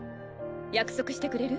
約束してくれる？